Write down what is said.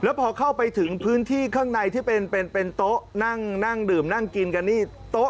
พอเข้าไปถึงพื้นที่ข้างในที่เป็นโต๊ะนั่งดื่มนั่งกินกันนี่โต๊ะ